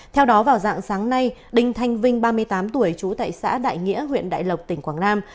theo đó vào dạng sáng nay đinh thanh vinh ba mươi tám tuổi trú tại xã đại nghĩa huyện đại lộc tỉnh quảng nam